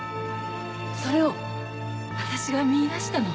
それを私が見いだしたの。